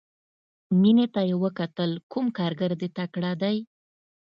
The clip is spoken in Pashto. مينې ته يې وکتل کوم کارګر دې تکړه دى.